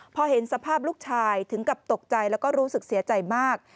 พอเห็นสภาพลูกชายถึงกับตกใจแล้วก็รู้สึกเสียใจมาก